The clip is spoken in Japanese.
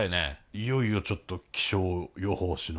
いよいよちょっと気象予報士の。